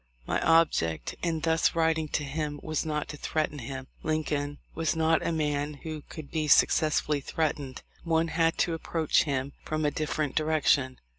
My object in thus writing to him was not to threaten him. Lincoln was not a man who could be successfully threatened ; one had to approach him from a different direction.